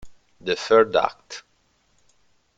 The Third Act